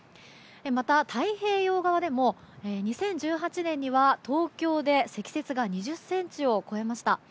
また、太平洋側でも２０１８年には東京で積雪が２０ｃｍを超えました。